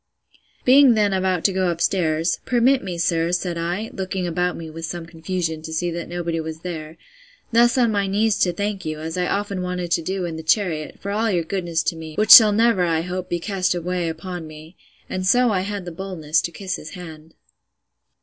Being then about to go up stairs, Permit me, sir, said I, (looking about me with some confusion, to see that nobody was there,) thus on my knees to thank you, as I often wanted to do in the chariot, for all your goodness to me, which shall never, I hope, be cast away upon me. And so I had the boldness to kiss his hand.